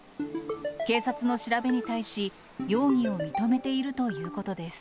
警察の調べに対し、容疑を認めているということです。